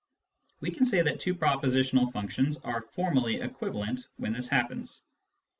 We say that two propositional functions are " formally equivalent " when this happens.